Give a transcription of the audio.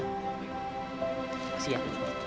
terima kasih ya